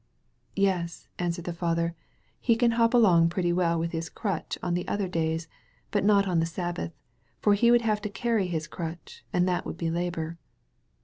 "Yes," answered the father, "he can hop along pretty well with his crutdi on other days, but not on the Sabbath, for he would have to carry his crutch, and that would be labor."